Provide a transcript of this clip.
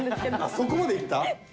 そこまでいった？